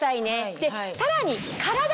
でさらに。